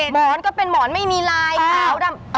หมอนก็เป็นหมอนไม่มีลายขาวดำ